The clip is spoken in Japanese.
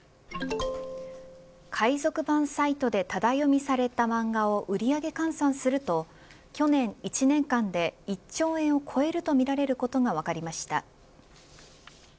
海賊版サイトでタダ読みされた漫画を売上換算すると去年１年間で１兆円を超えるとみられることが分かりました。